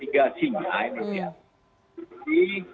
ini berputar putar seperti gasinya